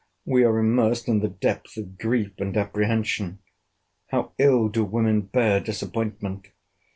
we are immersed in the depth of grief and apprehension! How ill do women bear disappointment!